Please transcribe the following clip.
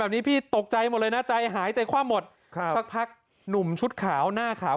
แบบนี้พี่ตกใจหมดเลยนะใจหายใจคว่าหมดนุ่มชุดขาวหน้าขาว